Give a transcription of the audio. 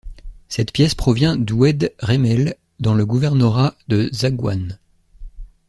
Cette pièce du provient d'Oued Remel dans le gouvernorat de Zaghouan.